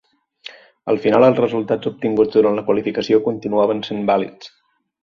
A la final els resultats obtinguts durant la qualificació continuaven sent vàlids.